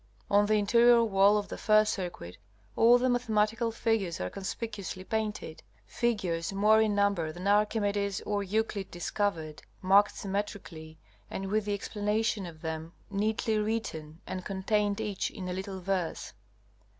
On the interior wall of the first circuit all the mathematical figures are conspicuously painted figures more in number than Archimedes or Euclid discovered, marked symmetrically, and with the explanation of them neatly written and contained each in a little verse.